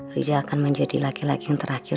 riza akan menjadi laki laki yang terakhir